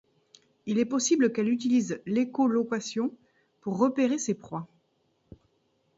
Il est possible qu'elle utilise l'écholocation pour repérer ses proies.